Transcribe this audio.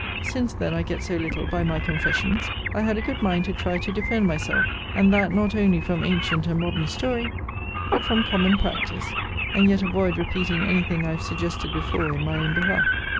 Since then I get so little by my confessions, I had a good mind to try to defend myself; and that not only from antient and modern story, but from common practice; and yet avoid repeating any thing I have suggested before in my own behalf.